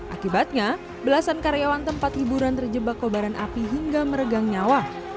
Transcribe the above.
akibatnya belasan karyawan tempat hiburan terjebak kobaran api hingga meregang nyawa